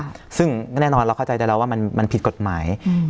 ค่ะซึ่งแน่นอนเราเข้าใจได้แล้วว่ามันมันผิดกฎหมายอืม